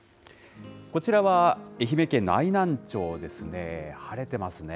こちらは愛媛県の愛南町ですね。